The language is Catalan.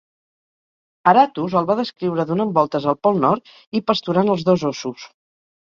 Aratus el va descriure donant voltes al pol nord, i pasturant els dos óssos.